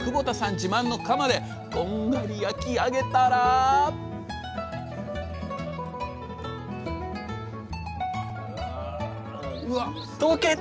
自慢の窯でこんがり焼き上げたらうわっ溶けてますよチーズが！